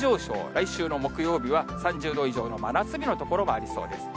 来週の木曜日は３０度以上の真夏日の所もありそうです。